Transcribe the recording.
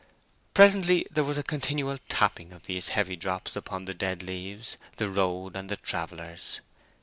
Presently there was a continual tapping of these heavy drops upon the dead leaves, the road, and the travellers.